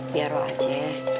biar lu aja